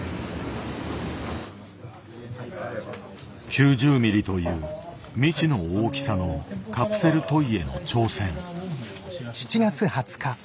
９０ミリという未知の大きさのカプセルトイへの挑戦。